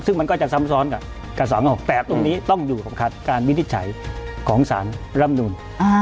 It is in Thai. ซึ่งมันก็จะซ้ำซ้อนกับกระแสงอกแต่ตรงนี้ต้องอยู่กับการวินิจฉัยของสารรำนูน